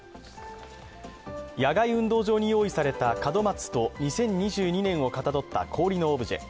野外運動場に用意された門松と２０２２年をかたどった氷のオブジェ。